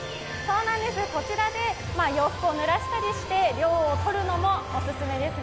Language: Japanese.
こちらで洋服をぬらしたりして涼をとるのもお勧めです。